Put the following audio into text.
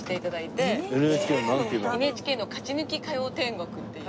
ＮＨＫの『勝ち抜き歌謡天国』っていう。